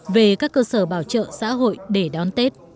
về các cơ sở bảo trợ xã hội để đón tết